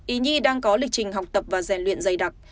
ý nhi đang có lịch trình học tập và rèn luyện dày đặc